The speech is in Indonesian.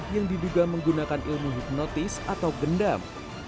yang diduga menggunakan ilmu hipnotis atau gendam